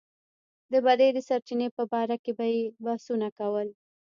د بدۍ د سرچينې په باره کې به يې بحثونه کول.